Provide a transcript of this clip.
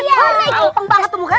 tumpang banget tuh muka